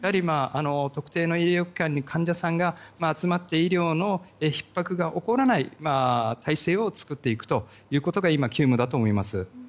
特定の医療機関に患者さんが集まって医療のひっ迫が起こらない体制を作っていくことが今、急務だと思います。